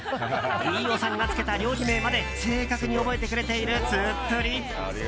飯尾さんがつけた料理名まで正確に覚えてくれている通っぷり。